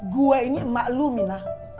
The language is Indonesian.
gua ini emak lu minah